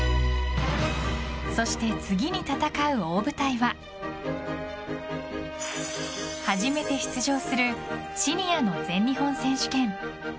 そして次に戦う大舞台は初めて出場するシニアの全日本選手権。